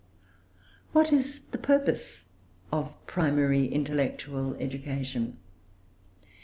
What is the purpose of primary intellectual education?